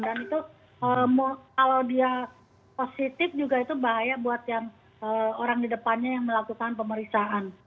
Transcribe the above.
dan itu kalau dia positif juga itu bahaya buat yang orang di depannya yang melakukan pemeriksaan